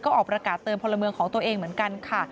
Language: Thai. ออกประกาศเตือนพลเมืองของตัวเองเหมือนกันค่ะ